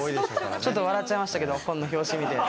ちょっと笑っちゃいましたけど、本の表紙見て。